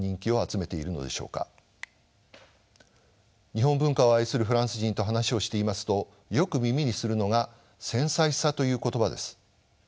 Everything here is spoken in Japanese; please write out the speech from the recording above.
日本文化を愛するフランス人と話をしていますとよく耳にするのが繊細さという言葉です。